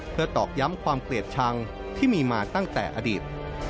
เพื่อตอกย้ำความเกลียดชังที่มีมาตั้งแต่อดีต